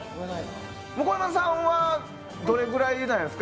向山さんはどれくらいなんですか？